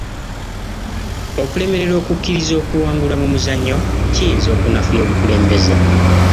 Okulemererwa okukkiriza okuwangulwa mu muzannyo kiyinza okunafuya obukulembeze.